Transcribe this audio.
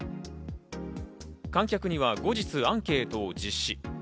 観客には後日アンケートを実施。